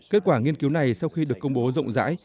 kết quả nghiên cứu này sau khi được công bố rộng rãi